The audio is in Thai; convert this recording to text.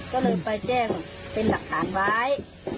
ก็เลยไปแจ้งเป็นหลักฐานไว้